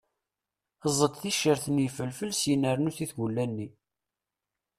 Eẓd ticcert n yifelfel syen rnu-t i tgulla-nni.